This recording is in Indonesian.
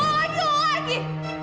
mulai itu lagi